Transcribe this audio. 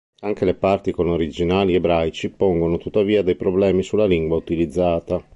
Anche le parti con originali ebraici pongono tuttavia dei problemi sulla lingua utilizzata.